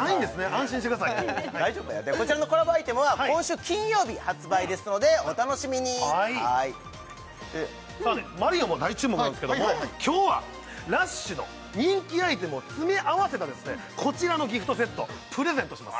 安心してください大丈夫だよこちらのコラボアイテムは今週金曜日発売ですのでお楽しみにマリオも大注目なんですけども今日はＬＵＳＨの人気アイテムを詰め合わせたですねこちらのギフトセットプレゼントします